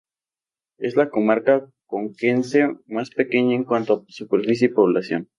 Es la comarca conquense más pequeña en cuanto a superficie y población.